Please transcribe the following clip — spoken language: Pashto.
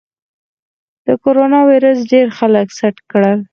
د کرونا ویروس ډېر خلک سټ کړل.